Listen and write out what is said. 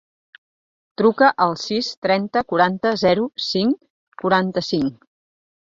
Truca al sis, trenta, quaranta, zero, cinc, quaranta-cinc.